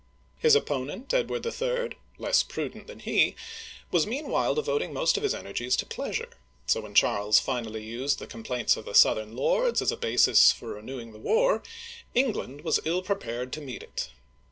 His opponent, Edward III., less prudent than he, was meanwhile devoting most of his energies to pleasure, so when Charles finally used the complaints of the south ern lords as a basis for renewing the war, England was ill prepared to meet it.